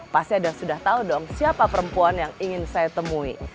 pasti ada yang sudah tahu dong siapa perempuan yang ingin saya temui